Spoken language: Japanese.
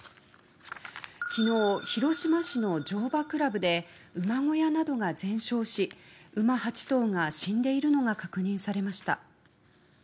昨日、広島市の乗馬クラブで馬小屋などが全焼し馬８頭が死んでいるのが確認されました。